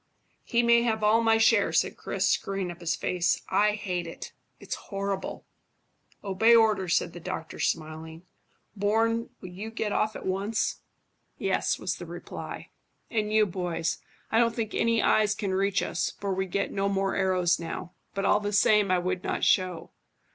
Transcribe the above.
"He may have all my share," said Chris, screwing up his face. "I hate it. It's horrible." "Obey orders," said the doctor, smiling. "Bourne, will you get off at once?" "Yes," was the reply. "And you, boys. I don't think any eyes can reach us, for we get no more arrows now; but all the same, I would not show.